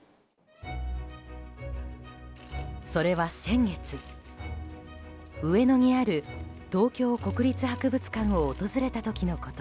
それは先月、上野にある東京国立博物館を訪れた時のこと。